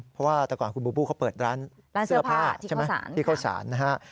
เพราะว่าแต่ก่อนคุณบูบูเขาเปิดร้านเสื้อผ้าใช่ไหมที่เข้าสารนะฮะ